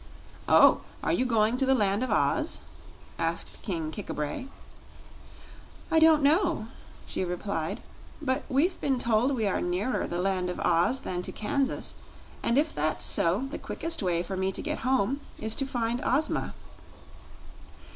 "Oh! Are you going to the Land of Oz?" asked King Kik a bray. "I don't know," she replied, "but we've been told we are nearer the Land of Oz than to Kansas, and if that's so, the quickest way for me to get home is to find Ozma."